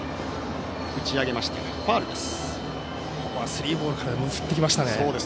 スリーボールからでも振ってきましたね。